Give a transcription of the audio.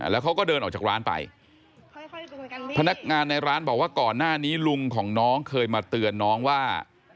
แล้วเขาก็เดินออกจากร้านไปพนักงานในร้านบอกว่าก่อนหน้านี้ลุงของน้องเคยมาเตือนน้องว่า